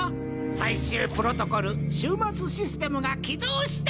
最終プロトコル「終末システム」が起動した！